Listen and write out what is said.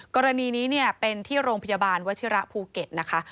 กรณีนี้เป็นที่โรงพยาบาลวชิระภูเก็ตนะคะ